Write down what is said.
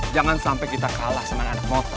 jangan sampai kita kalah sama anak motor